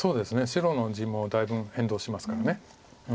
白の地もだいぶん変動しますから。